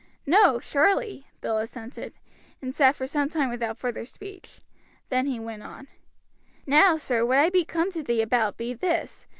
"No, surely," Bill assented, and sat for some time without further speech; then he went on, "now, sir, what oi be come to thee about be this.